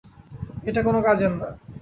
এটা কোন কাজের না।